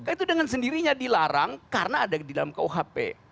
itu dengan sendirinya dilarang karena ada di dalam kuhp